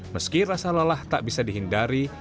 meski rasa lelah tak bisa dihindari